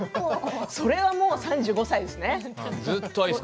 それはもう３５歳ですね。